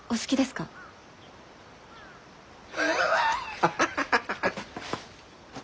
ハハハハハハッ。